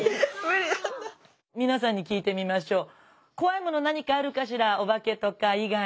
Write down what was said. みなさんに聞いてみましょう。